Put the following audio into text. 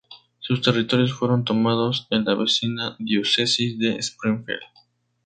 Sus territorios fueron tomados de la vecina Diócesis de Springfield.